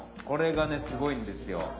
これがねすごいんですよ。